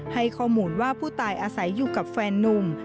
ให้ข้อมูลว่าผู้ตายอาศัยอยู่กับแฟนนุ่ม